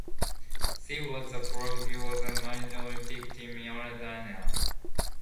She was the Flag bearer of Madagascan Olympic Team in Atlanta.